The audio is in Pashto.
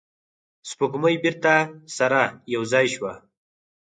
سپوږمۍ بیرته سره یو ځای شوه.